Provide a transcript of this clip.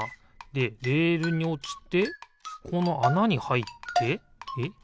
でレールにおちてこのあなにはいってえ？